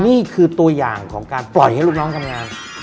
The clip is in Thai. นี่คือตัวอย่างของการปล่อยให้ลูกน้องทำงาน